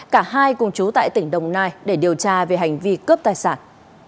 cả hai cùng chú tại tỉnh đồng nai để điều tra về hành vi cướp tài sản